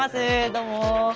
どうも。